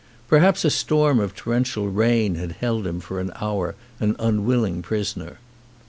Perhaps a storm of torrential rain had held him for an hour an unwilling prisoner.